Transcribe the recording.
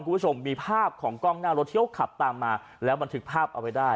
คุณผู้ชมมีภาพของกล้องหน้ารถที่เขาขับตามมาแล้วบันทึกภาพเอาไว้ได้